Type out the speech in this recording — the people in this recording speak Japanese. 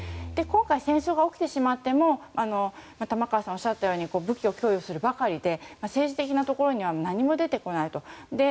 今回、戦争が起きてしまっても玉川さんがおっしゃったように武器を供与するばかりで政治的なところには何も出てこないと。